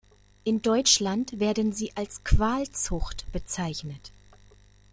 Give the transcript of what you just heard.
In Deutschland werden sie als Qualzucht bezeichnet.